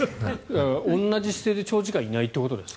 同じ姿勢で長時間いないということですか？